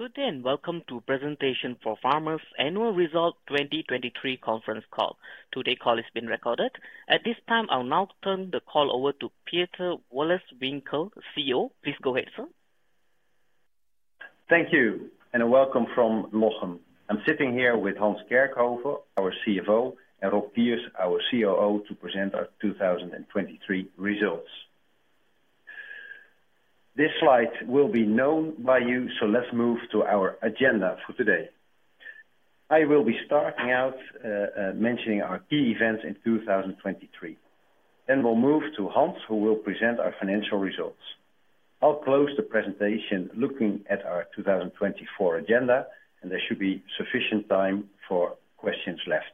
Good day and welcome to ForFarmers Annual Results 2023 Conference Call. Today's call is being recorded. At this time, I'll now turn the call over to Pieter Wolleswinkel, CEO. Please go ahead, sir. Thank you, and a welcome from Lochem. I'm sitting here with Hans Kerkhoven, our CFO, and Rob Kiers, our COO, to present our 2023 results. This slide will be known by you, so let's move to our agenda for today. I will be starting out, mentioning our key events in 2023, then we'll move to Hans, who will present our financial results. I'll close the presentation looking at our 2024 agenda, and there should be sufficient time for questions left.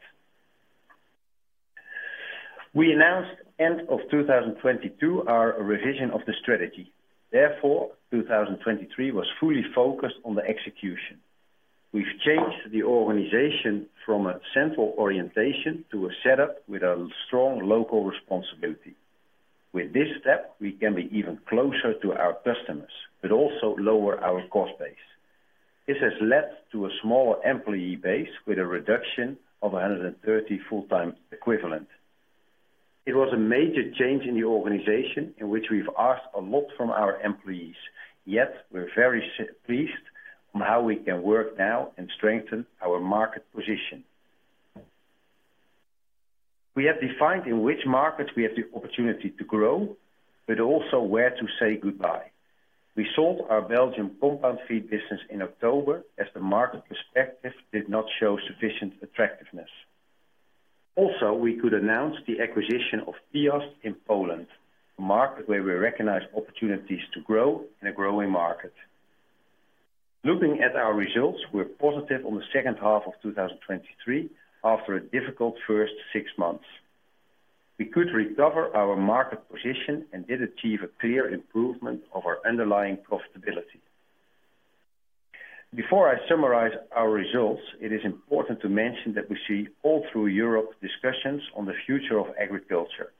We announced end of 2022 our revision of the strategy. Therefore, 2023 was fully focused on the execution. We've changed the organization from a central orientation to a setup with a strong local responsibility. With this step, we can be even closer to our customers, but also lower our cost base. This has led to a smaller employee base with a reduction of 130 full-time equivalent. It was a major change in the organization in which we've asked a lot from our employees, yet we're very pleased on how we can work now and strengthen our market position. We have defined in which markets we have the opportunity to grow, but also where to say goodbye. We sold our Belgian compound feed business in October as the market perspective did not show sufficient attractiveness. Also, we could announce the acquisition of Piast in Poland, a market where we recognize opportunities to grow in a growing market. Looking at our results, we're positive on the second half of 2023 after a difficult first six months. We could recover our market position and did achieve a clear improvement of our underlying profitability. Before I summarize our results, it is important to mention that we see all through Europe discussions on the future of agriculture.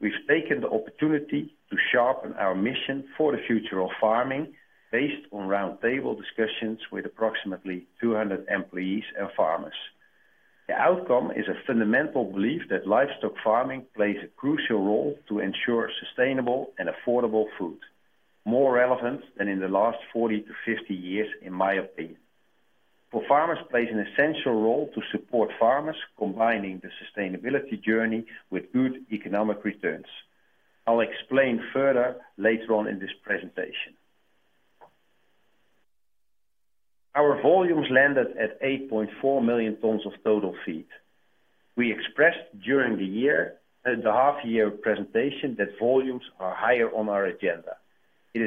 We've taken the opportunity to sharpen our mission for the future of farming based on roundtable discussions with approximately 200 employees and farmers. The outcome is a fundamental belief that livestock farming plays a crucial role to ensure sustainable and affordable food, more relevant than in the last 40-50 years, in my opinion. For farmers, it plays an essential role to support farmers combining the sustainability journey with good economic returns. I'll explain further later on in this presentation. Our volumes landed at 8.4 million tons of total feed. We expressed during the year, the half-year presentation that volumes are higher on our agenda. To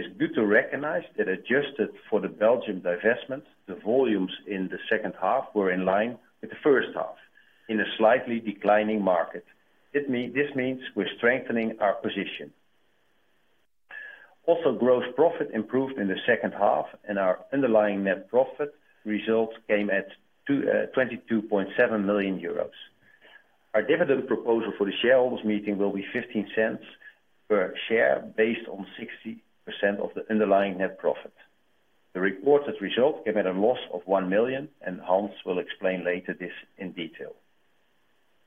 me, this means we're strengthening our position. Also, gross profit improved in the second half, and our underlying net profit results came at 22.7 million euros. Our dividend proposal for the shareholders' meeting will be 0.15 per share based on 60% of the underlying net profit. The reported result came at a loss of 1 million, and Hans will explain later this in detail.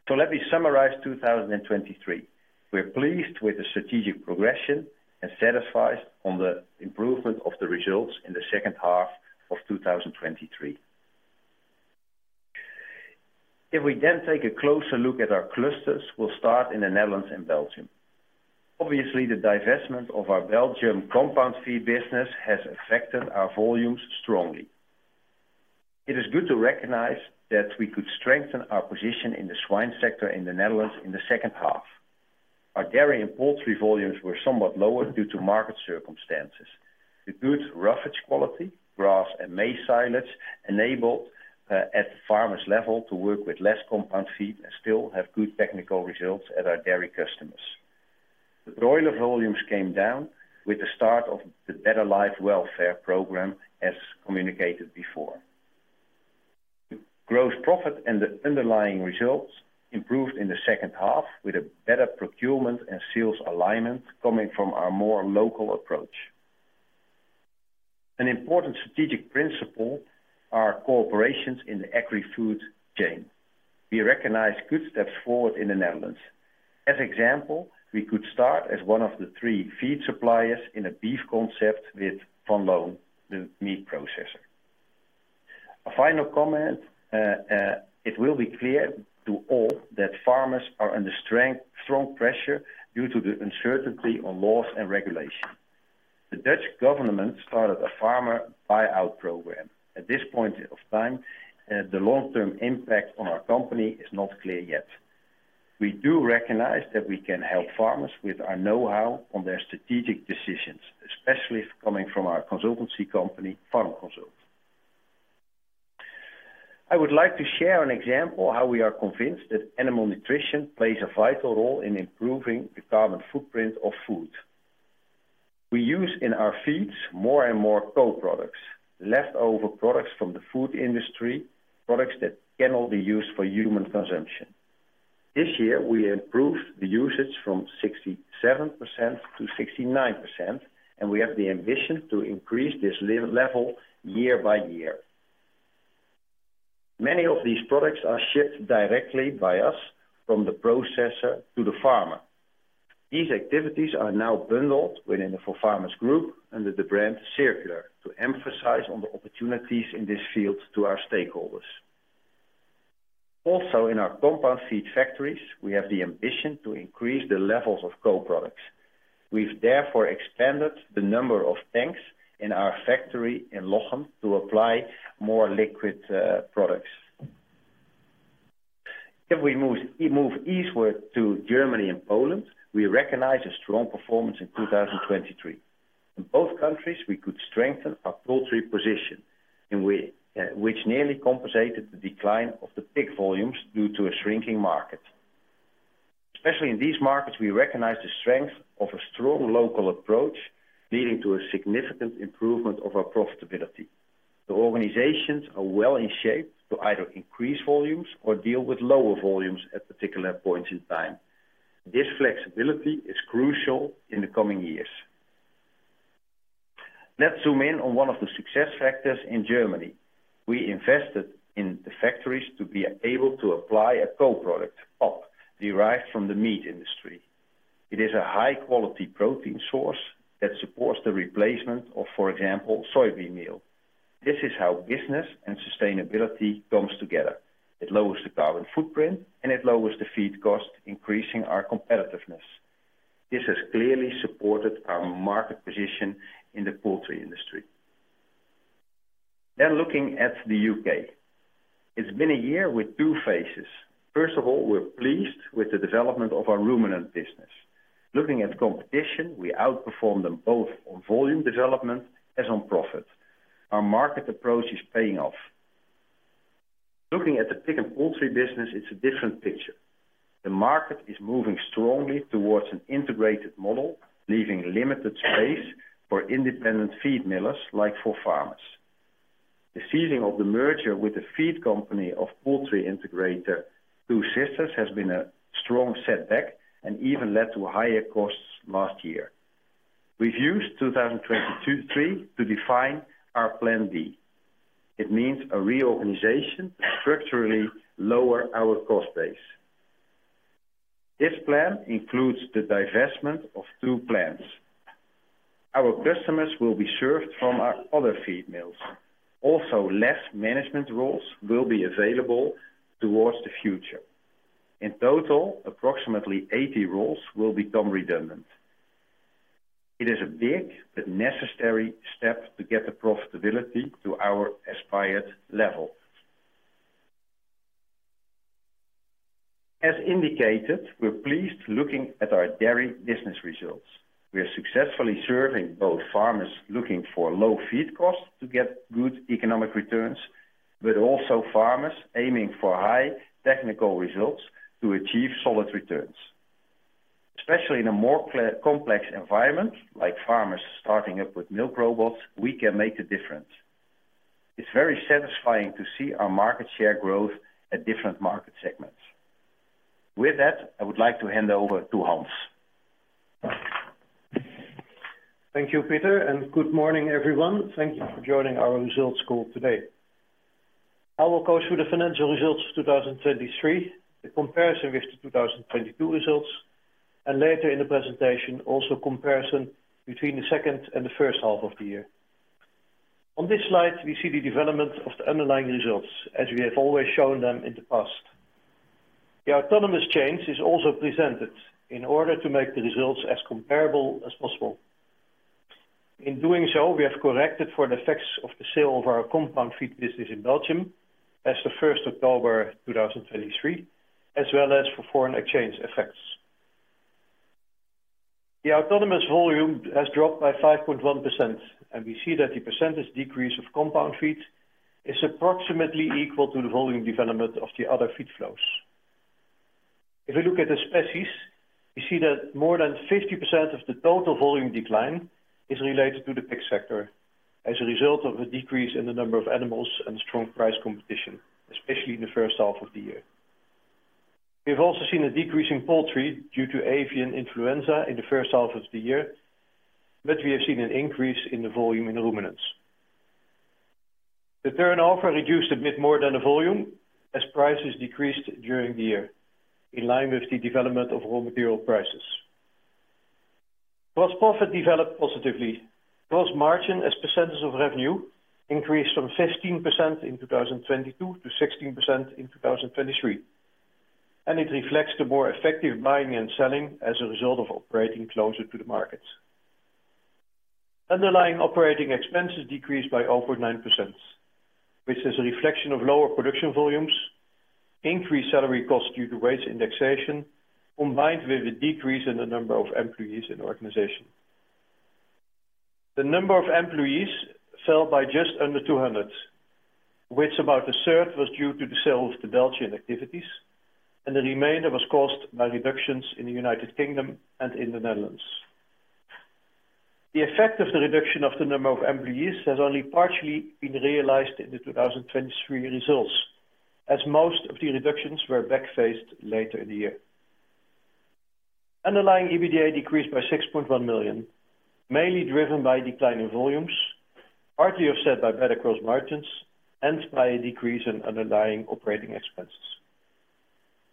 Let me summarize 2023. We're pleased with the strategic progression and satisfied on the improvement of the results in the second half of 2023. If we then take a closer look at our clusters, we'll start in the Netherlands and Belgium. Obviously, the divestment of our Belgian compound feed business has affected our volumes strongly. It is good to recognize that we could strengthen our position in the swine sector in the Netherlands in the second half. Our dairy and poultry volumes were somewhat lower due to market circumstances. The good roughage quality, grass and maize silage, enabled, at the farmers' level to work with less compound feed and still have good technical results at our dairy customers. The broiler volumes came down with the start of the Better Life welfare program, as communicated before. Gross profit and the underlying results improved in the second half with a better procurement and sales alignment coming from our more local approach. An important strategic principle are cooperations in the agri-food chain. We recognize good steps forward in the Netherlands. As example, we could start as one of the three feed suppliers in a beef concept with Van Loon, the meat processor. A final comment, it will be clear to all that farmers are under strong pressure due to the uncertainty on laws and regulation. The Dutch government started a farmer buyout program. At this point of time, the long-term impact on our company is not clear yet. We do recognize that we can help farmers with our know-how on their strategic decisions, especially coming from our consultancy company, FarmConsult. I would like to share an example of how we are convinced that animal nutrition plays a vital role in improving the carbon footprint of food. We use in our feeds more and more co-products, leftover products from the food industry, products that cannot be used for human consumption. This year, we improved the usage from 67%-69%, and we have the ambition to increase this level year by year. Many of these products are shipped directly by us from the processor to the farmer. These activities are now bundled within the ForFarmers Group under the brand CirQlar to emphasize on the opportunities in this field to our stakeholders. Also, in our compound feed factories, we have the ambition to increase the levels of co-products. We've therefore expanded the number of tanks in our factory in Lochem to apply more liquid products. If we move eastward to Germany and Poland, we recognize a strong performance in 2023. In both countries, we could strengthen our poultry position indeed, which nearly compensated the decline of the pig volumes due to a shrinking market. Especially in these markets, we recognize the strength of a strong local approach leading to a significant improvement of our profitability. The organizations are well in shape to either increase volumes or deal with lower volumes at particular points in time. This flexibility is crucial in the coming years. Let's zoom in on one of the success factors in Germany. We invested in the factories to be able to apply a co-product, PAP, derived from the meat industry. It is a high-quality protein source that supports the replacement of, for example, soybean meal. This is how business and sustainability comes together. It lowers the carbon footprint, and it lowers the feed cost, increasing our competitiveness. This has clearly supported our market position in the poultry industry. Then looking at the UK. It's been a year with two phases. First of all, we're pleased with the development of our ruminant business. Looking at competition, we outperformed them both on volume development as on profit. Our market approach is paying off. Looking at the pig and poultry business, it's a different picture. The market is moving strongly towards an integrated model, leaving limited space for independent feed millers like ForFarmers. The ceasing of the merger with the feed company of poultry integrator 2 Sisters has been a strong setback and even led to higher costs last year. We've used 2022-2023 to define our Plan B. It means a reorganization to structurally lower our cost base. This plan includes the divestment of two plants. Our customers will be served from our other feed mills. Also, less management roles will be available towards the future. In total, approximately 80 roles will become redundant. It is a big but necessary step to get the profitability to our aspired level. As indicated, we're pleased looking at our dairy business results. We're successfully serving both farmers looking for low feed costs to get good economic returns, but also farmers aiming for high technical results to achieve solid returns. Especially in a more complex environment, like farmers starting up with milk robots, we can make a difference. It's very satisfying to see our market share growth at different market segments. With that, I would like to hand over to Hans. Thank you, Pieter, and good morning, everyone. Thank you for joining our results call today. I will go through the financial results of 2023, the comparison with the 2022 results, and later in the presentation, also comparison between the second and the first half of the year. On this slide, we see the development of the underlying results as we have always shown them in the past. The autonomous change is also presented in order to make the results as comparable as possible. In doing so, we have corrected for the effects of the sale of our compound feed business in Belgium as of 1st October 2023, as well as for foreign exchange effects. The autonomous volume has dropped by 5.1%, and we see that the percentage decrease of compound feed is approximately equal to the volume development of the other feed flows. If we look at the species, we see that more than 50% of the total volume decline is related to the pig sector as a result of a decrease in the number of animals and strong price competition, especially in the first half of the year. We have also seen a decrease in poultry due to avian influenza in the first half of the year, but we have seen an increase in the volume in ruminants. The turnover reduced a bit more than the volume as prices decreased during the year in line with the development of raw material prices. Gross profit developed positively. Gross margin, as percentage of revenue, increased from 15% in 2022 to 16% in 2023, and it reflects the more effective buying and selling as a result of operating closer to the markets. Underlying operating expenses decreased by over 9%, which is a reflection of lower production volumes, increased salary costs due to wage indexation, combined with a decrease in the number of employees in the organization. The number of employees fell by just under 200, which about a third was due to the sale of the Belgian activities, and the remainder was caused by reductions in the United Kingdom and in the Netherlands. The effect of the reduction of the number of employees has only partially been realized in the 2023 results as most of the reductions were back-loaded later in the year. Underlying EBITDA decreased by 6.1 million, mainly driven by a decline in volumes, partly offset by better gross margins, and by a decrease in underlying operating expenses.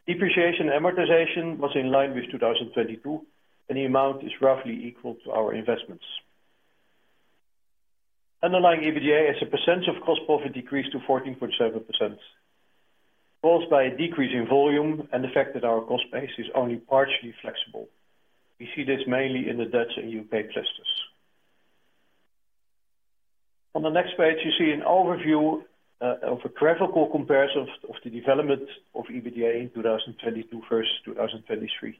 Depreciation amortization was in line with 2022, and the amount is roughly equal to our investments. Underlying EBITDA, as a percentage of gross profit decreased to 14.7%, caused by a decrease in volume and the fact that our cost base is only partially flexible. We see this mainly in the Dutch and UK clusters. On the next page, you see an overview of a graphical comparison of the development of EBITDA in 2022 versus 2023.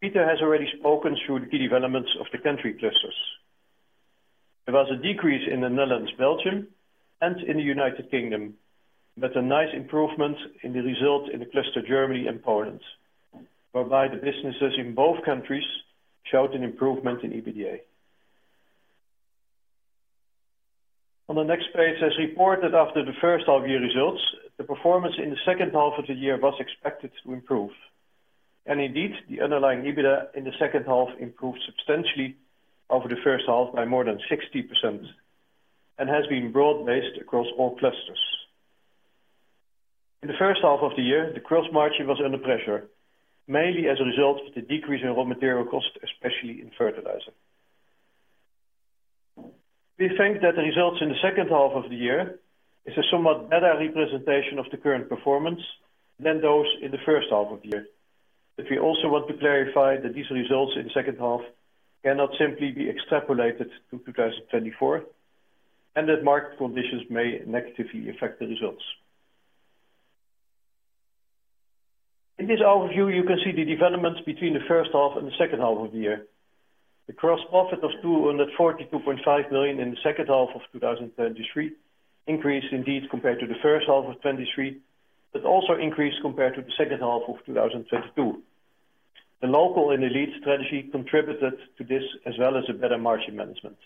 Pieter has already spoken through the key developments of the country clusters. There was a decrease in the Netherlands, Belgium, and in the United Kingdom, but a nice improvement in the result in the cluster Germany and Poland, whereby the businesses in both countries showed an improvement in EBITDA. On the next page, as reported after the first half-year results, the performance in the second half of the year was expected to improve. Indeed, the underlying EBITDA in the second half improved substantially over the first half by more than 60% and has been broad-based across all clusters. In the first half of the year, the gross margin was under pressure, mainly as a result of the decrease in raw material costs, especially in fertilizer. We think that the results in the second half of the year is a somewhat better representation of the current performance than those in the first half of the year. We also want to clarify that these results in the second half cannot simply be extrapolated to 2024 and that market conditions may negatively affect the results. In this overview, you can see the developments between the first half and the second half of the year. The gross profit of 242.5 million in the second half of 2023 increased indeed compared to the first half of 2023, but also increased compared to the second half of 2022. The local in the lead strategy contributed to this as well as a better margin management.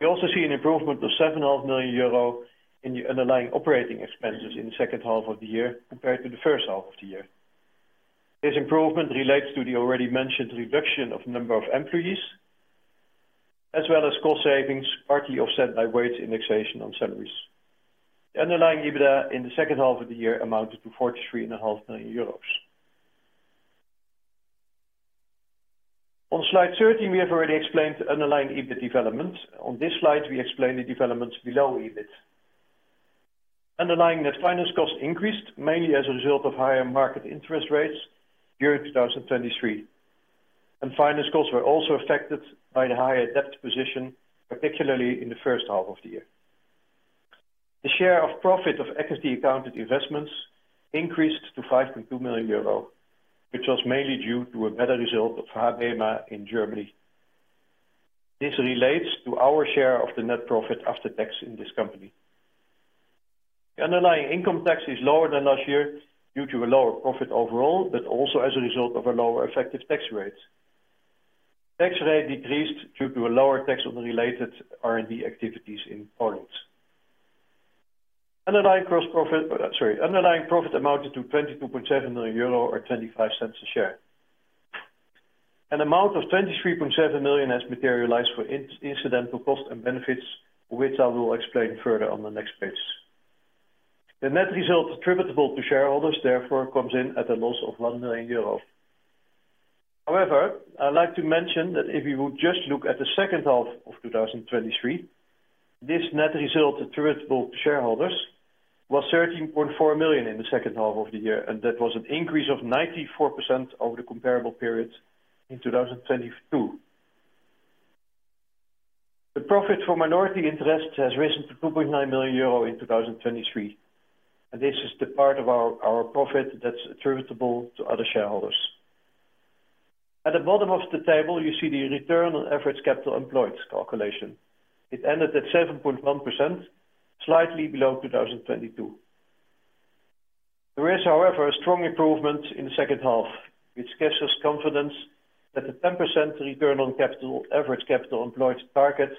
We also see an improvement of 7.5 million euro in the underlying operating expenses in the second half of the year compared to the first half of the year. This improvement relates to the already mentioned reduction of number of employees as well as cost savings, partly offset by wage indexation on salaries. The underlying EBITDA in the second half of the year amounted to 43.5 million euros. On slide 13, we have already explained the underlying EBIT development. On this slide, we explain the developments below EBIT. Underlying net finance costs increased mainly as a result of higher market interest rates during 2023, and finance costs were also affected by the higher debt position, particularly in the first half of the year. The share of profit of equity accounted investments increased to 5.2 million euro, which was mainly due to a better result of HaBeMa in Germany. This relates to our share of the net profit after tax in this company. The underlying income tax is lower than last year due to a lower profit overall, but also as a result of a lower effective tax rate. Tax rate decreased due to a lower tax on the related R&D activities in Poland. Underlying gross profit sorry, underlying profit amounted to 22.7 million euro or 0.25 a share. An amount of 23.7 million has materialized for incidental costs and benefits, which I will explain further on the next page. The net result attributable to shareholders, therefore, comes in at a loss of 1 million euro. However, I'd like to mention that if we would just look at the second half of 2023, this net result attributable to shareholders was 13.4 million in the second half of the year, and that was an increase of 94% over the comparable period in 2022. The profit for minority interests has risen to 2.9 million euro in 2023, and this is the part of our profit that's attributable to other shareholders. At the bottom of the table, you see the return on average capital employed calculation. It ended at 7.1%, slightly below 2022. There is, however, a strong improvement in the second half, which gives us confidence that the 10% return on capital average capital employed target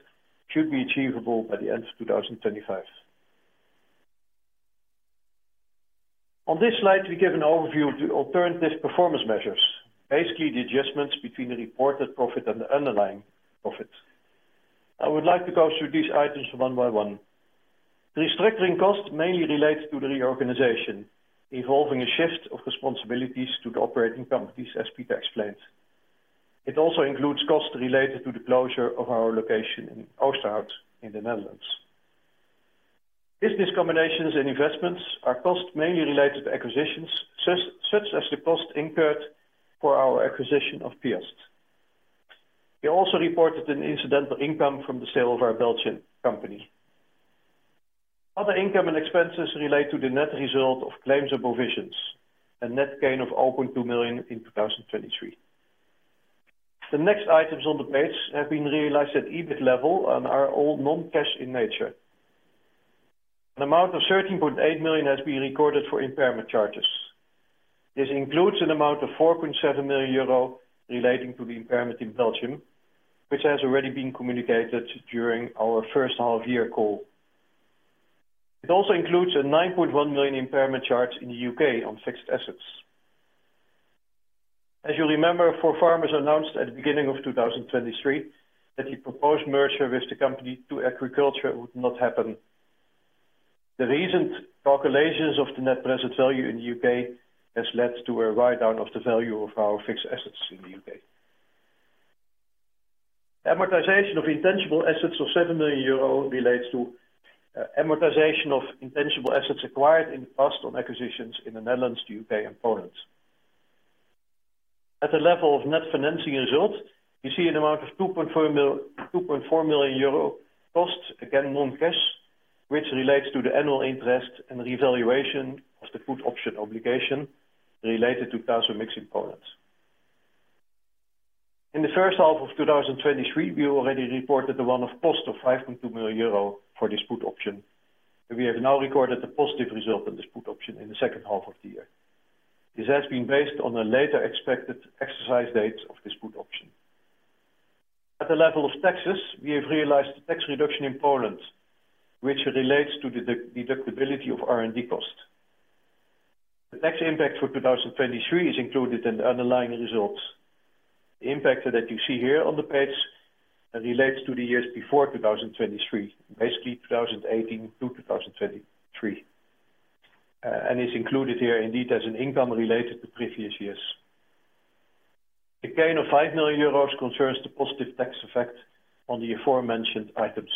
should be achievable by the end of 2025. On this slide, we give an overview of the alternative performance measures, basically the adjustments between the reported profit and the underlying profit. I would like to go through these items one by one. The restructuring cost mainly relates to the reorganization, involving a shift of responsibilities to the operating companies, as Pieter explained. It also includes costs related to the closure of our location in Oosterhout in the Netherlands. Business combinations and investments are costs mainly related to acquisitions, such as the cost incurred for our acquisition of Piast. We also reported an incidental income from the sale of our Belgian company. Other income and expenses relate to the net result of claims of provisions and net gain of 0.2 million in 2023. The next items on the page have been realized at EBIT level and are all non-cash in nature. An amount of 13.8 million has been recorded for impairment charges. This includes an amount of 4.7 million euro relating to the impairment in Belgium, which has already been communicated during our first half-year call. It also includes a 9.1 million impairment charge in the UK on fixed assets. As you remember, ForFarmers announced at the beginning of 2023 that the proposed merger with 2Agriculture would not happen. The recent calculations of the net present value in the UK has led to a write-down of the value of our fixed assets in the UK. Amortization of intangible assets of 7 million euro relates to amortization of intangible assets acquired in the past on acquisitions in the Netherlands, the UK, and Poland. At the level of net financing result, you see an amount of 2.4 million euro cost, again non-cash, which relates to the annual interest and revaluation of the put option obligation related to Tasomix in Poland. In the first half of 2023, we already reported the one-off cost of 5.2 million euro for this put option, and we have now recorded the positive result of this put option in the second half of the year. This has been based on a later expected exercise date of this put option. At the level of taxes, we have realized the tax reduction in Poland, which relates to the deductibility of R&D cost. The tax impact for 2023 is included in the underlying results. The impact that you see here on the page relates to the years before 2023, basically 2018 to 2023, and is included here indeed as an income related to previous years. The gain of 5 million euros concerns the positive tax effect on the aforementioned items.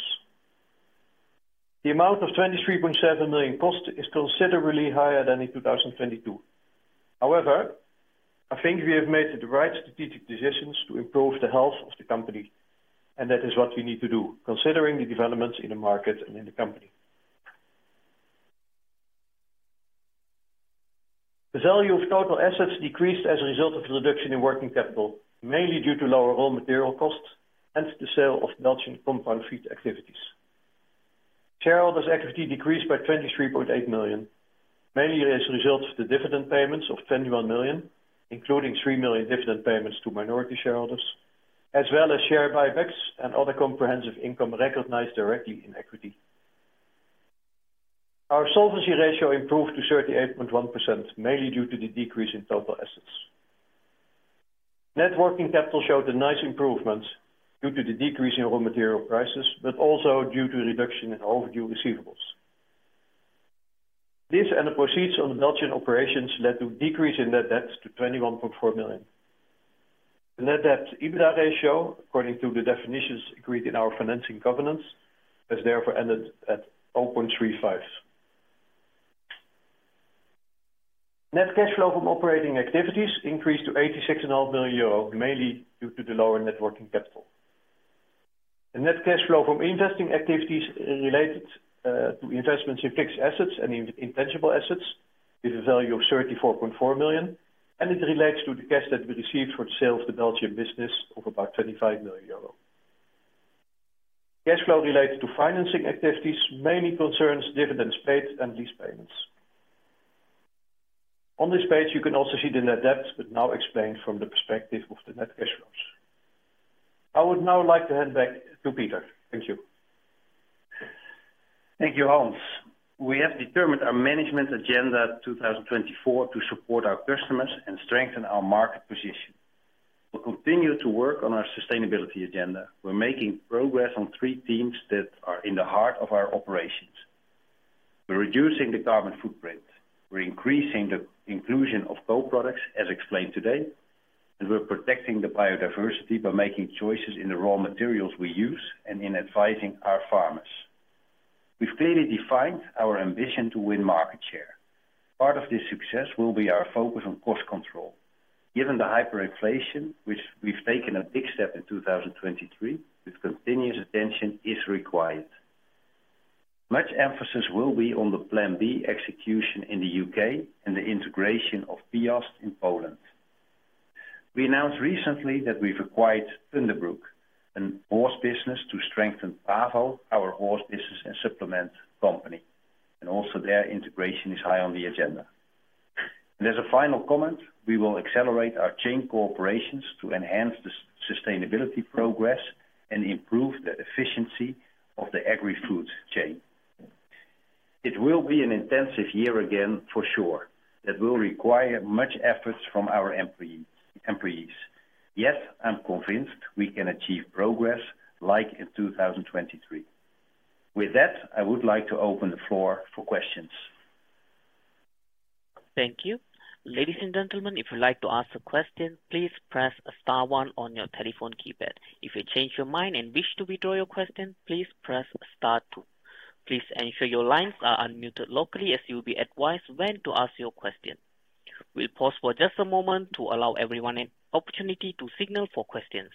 The amount of 23.7 million cost is considerably higher than in 2022. However, I think we have made the right strategic decisions to improve the health of the company, and that is what we need to do considering the developments in the market and in the company. The value of total assets decreased as a result of the reduction in working capital, mainly due to lower raw material costs and the sale of Belgian compound feed activities. Shareholders' equity decreased by 23.8 million, mainly as a result of the dividend payments of 21 million, including 3 million dividend payments to minority shareholders, as well as share buybacks and other comprehensive income recognized directly in equity. Our solvency ratio improved to 38.1%, mainly due to the decrease in total assets. Net working capital showed a nice improvement due to the decrease in raw material prices, but also due to reduction in overdue receivables. This and the proceeds on the Belgian operations led to a decrease in net debt to 21.4 million. The net debt EBITDA ratio, according to the definitions agreed in our financing governance, has therefore ended at 0.35. Net cash flow from operating activities increased to 86.5 million euro, mainly due to the lower net working capital. The net cash flow from investing activities related to investments in fixed assets and intangible assets is a value of 34.4 million, and it relates to the cash that we received for the sale of the Belgian business of about 25 million euro. Cash flow related to financing activities mainly concerns dividends paid and lease payments. On this page, you can also see the net debt, but now explained from the perspective of the net cash flows. I would now like to hand back to Pieter. Thank you. Thank you, Hans. We have determined our management agenda 2024 to support our customers and strengthen our market position. We'll continue to work on our sustainability agenda. We're making progress on three themes that are in the heart of our operations. We're reducing the carbon footprint. We're increasing the inclusion of co-products, as explained today, and we're protecting the biodiversity by making choices in the raw materials we use and in advising our farmers. We've clearly defined our ambition to win market share. Part of this success will be our focus on cost control. Given the hyperinflation, which we've taken a big step in 2023, with continuous attention is required. Much emphasis will be on the Plan B execution in the U.K. and the integration of Piast in Poland. We announced recently that we've acquired Thunderbrook, a horse business, to strengthen Pavo, our horse business and supplement company, and also their integration is high on the agenda. As a final comment, we will accelerate our chain cooperations to enhance the sustainability progress and improve the efficiency of the agri-food chain. It will be an intensive year again, for sure, that will require much effort from our employees. Yet, I'm convinced we can achieve progress like in 2023. With that, I would like to open the floor for questions. Thank you. Ladies and gentlemen, if you'd like to ask a question, please press star one on your telephone keypad. If you change your mind and wish to withdraw your question, please press star two. Please ensure your lines are unmuted locally as you'll be advised when to ask your question. We'll pause for just a moment to allow everyone an opportunity to signal for questions.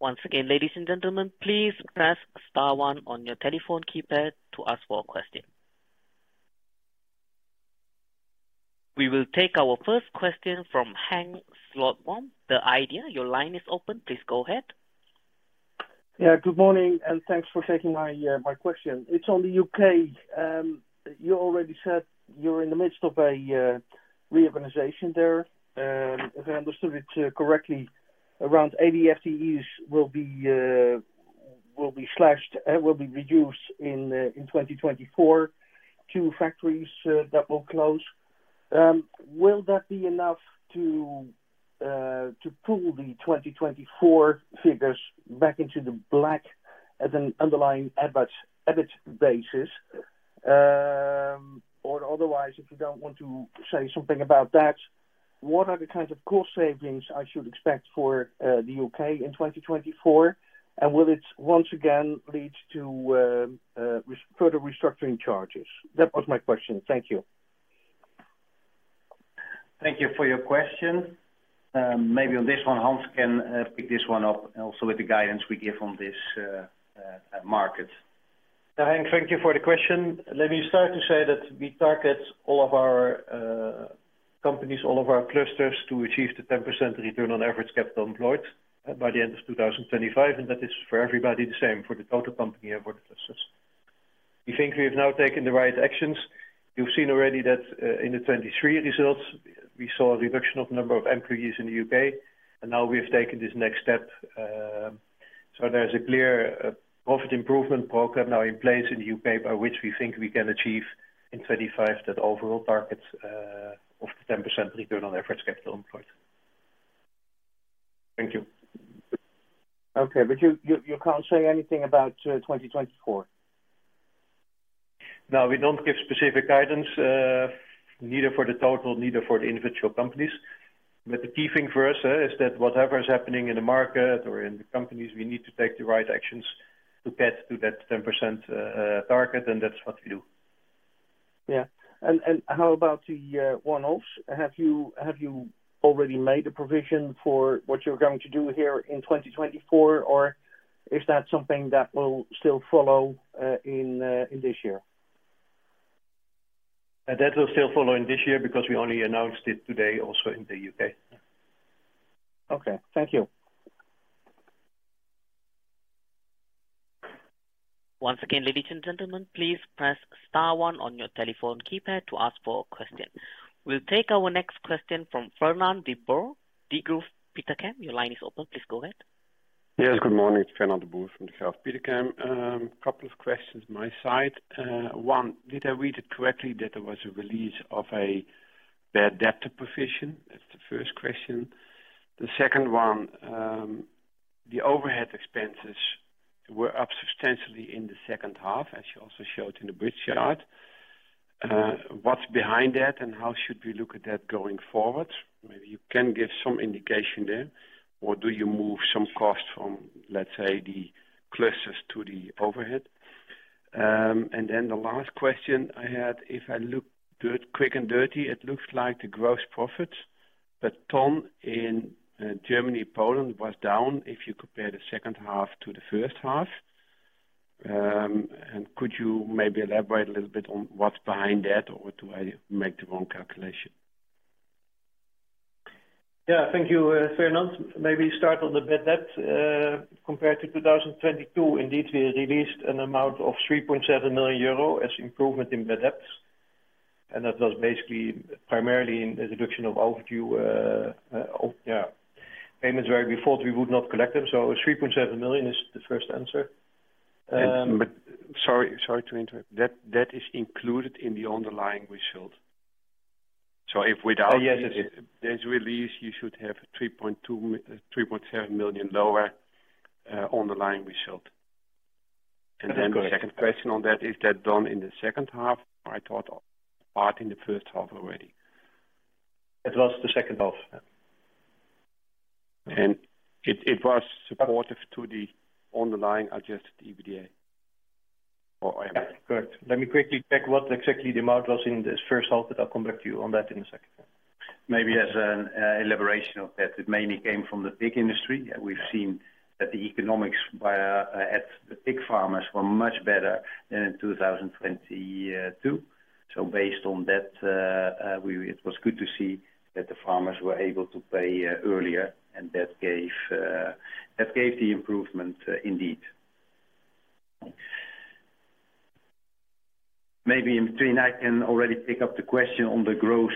Once again, ladies and gentlemen, please press star one on your telephone keypad to ask for a question. We will take our first question from Henk Slotboom. At this time, your line is open. Please go ahead. Yeah, good morning, and thanks for taking my question. It's on the UK. You already said you're in the midst of a reorganization there. If I understood it correctly, around 80 FTEs will be reduced in 2024. 2 factories that will close. Will that be enough to pull the 2024 figures back into the black at an underlying EBIT basis? Or otherwise, if you don't want to say something about that, what are the kinds of cost savings I should expect for the UK in 2024, and will it once again lead to further restructuring charges? That was my question. Thank you. Thank you for your question. Maybe on this one, Hans can pick this one up, also with the guidance we give on this market. Yeah, Henk, thank you for the question. Let me start to say that we target all of our companies, all of our clusters to achieve the 10% return on average capital employed by the end of 2025, and that is for everybody the same, for the total company and for the clusters. We think we have now taken the right actions. You've seen already that in the 2023 results, we saw a reduction of the number of employees in the UK, and now we have taken this next step. So there's a clear profit improvement program now in place in the UK by which we think we can achieve in 2025 that overall target of the 10% return on average capital employed. Thank you. Okay, but you can't say anything about 2024? No, we don't give specific guidance, neither for the total nor for the individual companies. But the key thing for us is that whatever is happening in the market or in the companies, we need to take the right actions to get to that 10% target, and that's what we do. Yeah. How about the one-offs? Have you already made a provision for what you're going to do here in 2024, or is that something that will still follow in this year? That will still follow in this year because we only announced it today also in the UK. Okay. Thank you. Once again, ladies and gentlemen, please press star one on your telephone keypad to ask for a question. We'll take our next question from Fernand de Boer, Degroof Petercam. Your line is open. Please go ahead. Yes, good morning. Fernand de Boer from Degroof Petercam. Couple of questions on my side. One, did I read it correctly that there was a release of a bad debtor provision? That's the first question. The second one, the overhead expenses were up substantially in the second half, as you also showed in the bridge chart. What's behind that, and how should we look at that going forward? Maybe you can give some indication there, or do you move some cost from, let's say, the clusters to the overhead? And then the last question I had, if I looked quick and dirty, it looks like the gross profit per ton in Germany, Poland was down if you compare the second half to the first half. And could you maybe elaborate a little bit on what's behind that, or do I make the wrong calculation? Yeah, thank you, Fernand. Maybe start on the bad debt. Compared to 2022, indeed, we released an amount of 3.7 million euro as improvement in bad debts, and that was basically primarily in the reduction of overdue payments where we thought we would not collect them. So 3.7 million is the first answer. Sorry to interrupt. That is included in the underlying result. So without this release, you should have 3.7 million lower underlying result. And then the second question on that, is that done in the second half or I thought part in the first half already? It was the second half. It was supportive to the underlying adjusted EBITDA? Yeah, correct. Let me quickly check what exactly the amount was in this first half, but I'll come back to you on that in a second. Maybe as an elaboration of that, it mainly came from the pig industry. We've seen that the economics at the pig farmers were much better than in 2022. So based on that, it was good to see that the farmers were able to pay earlier, and that gave the improvement indeed. Maybe in between, I can already pick up the question on the gross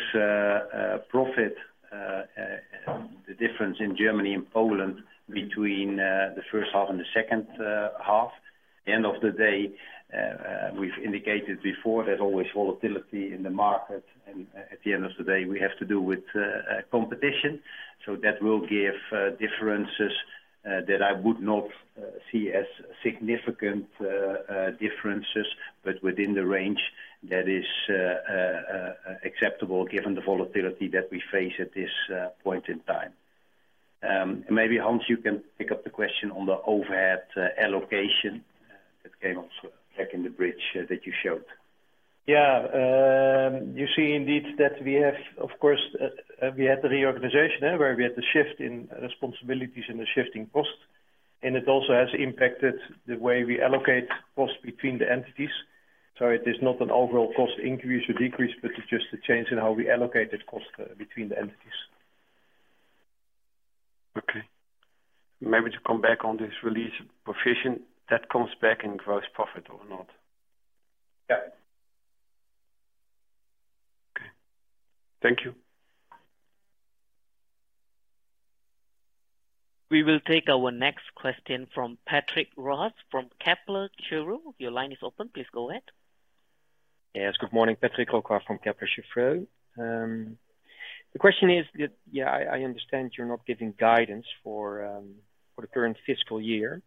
profit, the difference in Germany and Poland between the first half and the second half. At the end of the day, we've indicated before there's always volatility in the market, and at the end of the day, we have to do with competition. So that will give differences that I would not see as significant differences, but within the range that is acceptable given the volatility that we face at this point in time. And maybe, Hans, you can pick up the question on the overhead allocation that came also back in the bridge that you showed. Yeah. You see indeed that we have of course, we had the reorganization where we had the shift in responsibilities and the shifting costs, and it also has impacted the way we allocate costs between the entities. So it is not an overall cost increase or decrease, but it's just a change in how we allocate the costs between the entities. Okay. Maybe to come back on this release provision, that comes back in gross profit or not? Yeah. Okay. Thank you. We will take our next question from Patrick Roquas from Kepler Cheuvreux. Your line is open. Please go ahead. Yes, good morning. Patrick Roquas from Kepler Cheuvreux. The question is that, yeah, I understand you're not giving guidance for the current fiscal year,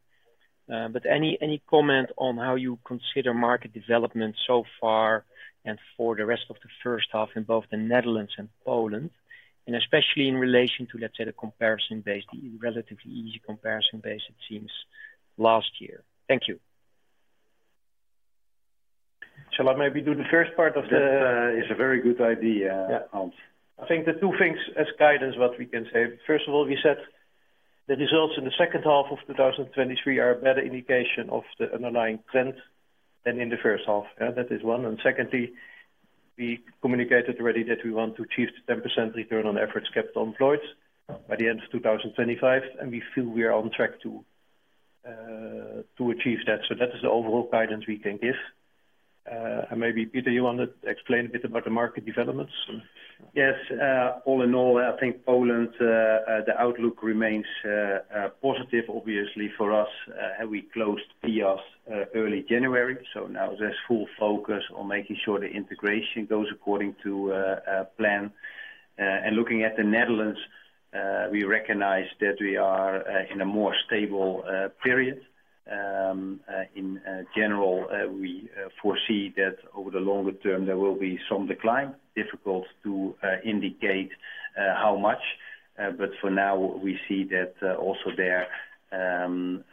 but any comment on how you consider market development so far and for the rest of the first half in both the Netherlands and Poland, and especially in relation to, let's say, the comparison base, the relatively easy comparison base, it seems, last year? Thank you. Shall I maybe do the first part of the? That is a very good idea, Hans. Yeah. I think the two things as guidance, what we can say. First of all, we said the results in the second half of 2023 are a better indication of the underlying trend than in the first half. That is one. And secondly, we communicated already that we want to achieve the 10% return on average capital employed by the end of 2025, and we feel we are on track to achieve that. So that is the overall guidance we can give. And maybe, Pieter, you want to explain a bit about the market developments? Yes. All in all, I think Poland, the outlook remains positive, obviously, for us. We closed Piast early January, so now there's full focus on making sure the integration goes according to plan. Looking at the Netherlands, we recognize that we are in a more stable period. In general, we foresee that over the longer term, there will be some decline. Difficult to indicate how much, but for now, we see that also there, and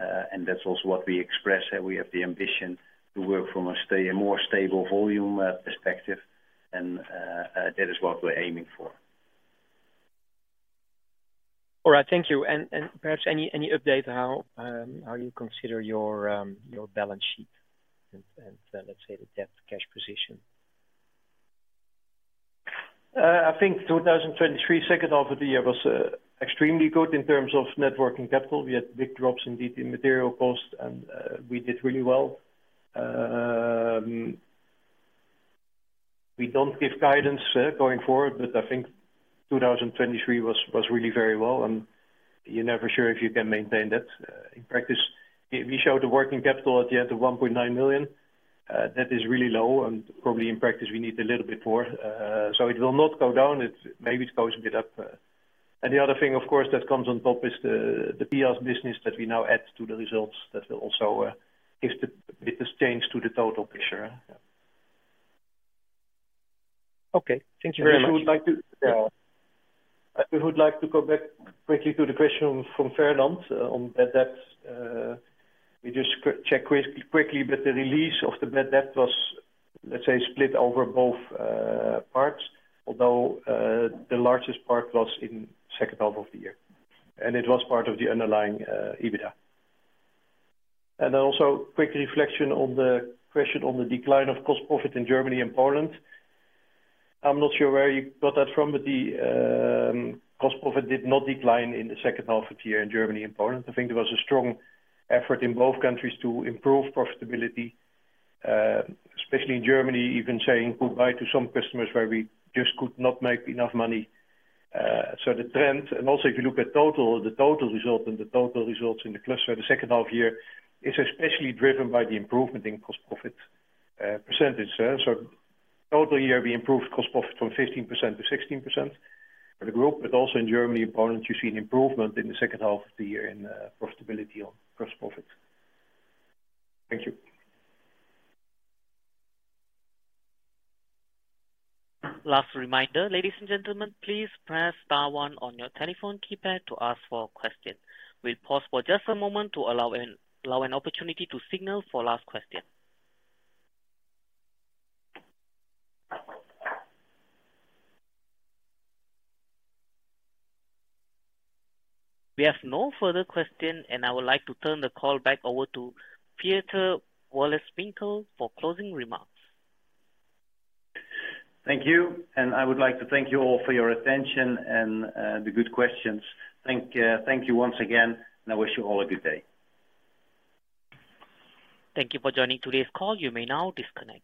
that's also what we express that we have the ambition to work from a more stable volume perspective, and that is what we're aiming for. All right. Thank you. Perhaps any update on how you consider your balance sheet and, let's say, the debt cash position? I think 2023, second half of the year, was extremely good in terms of net working capital. We had big drops, indeed, in material costs, and we did really well. We don't give guidance going forward, but I think 2023 was really very well, and you're never sure if you can maintain that. In practice, we showed the working capital at the end of 1.9 million. That is really low, and probably in practice, we need a little bit more. So it will not go down. Maybe it goes a bit up. And the other thing, of course, that comes on top is the Piast business that we now add to the results that will also give a bit of change to the total picture. Yeah. Okay. Thank you very much. If you would like to go back quickly to the question from Fernand on bad debt, we just checked quickly, but the release of the bad debt was, let's say, split over both parts, although the largest part was in the second half of the year, and it was part of the underlying EBITDA. And then also quick reflection on the question on the decline of gross profit in Germany and Poland. I'm not sure where you got that from, but the gross profit did not decline in the second half of the year in Germany and Poland. I think there was a strong effort in both countries to improve profitability, especially in Germany, even saying goodbye to some customers where we just could not make enough money. So the trend, and also if you look at the total result and the total results in the cluster, the second half year is especially driven by the improvement in gross profit percentage. So total year, we improved gross profit from 15%-16% for the group, but also in Germany and Poland, you see an improvement in the second half of the year in profitability on gross profit. Thank you. Last reminder, ladies and gentlemen, please press star one on your telephone keypad to ask for a question. We'll pause for just a moment to allow an opportunity to signal for last question. We have no further question, and I would like to turn the call back over to Pieter Wolleswinkel for closing remarks. Thank you. I would like to thank you all for your attention and the good questions. Thank you once again, and I wish you all a good day. Thank you for joining today's call. You may now disconnect.